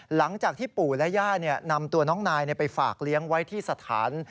หลังจากที่ปู่และย่านำตัวน้องนายไปฝากเลี้ยงไว้ที่สถาน